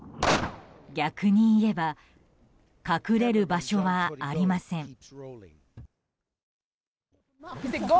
逆に言えば隠れる場所はありません。